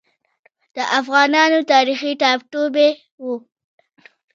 د افغانانو تاریخي ټاټوبی و.